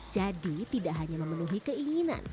jadi tidak hanya memenuhi keinginan